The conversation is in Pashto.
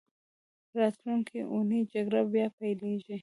راتلونکې اونۍ جګړه بیا پیلېږي.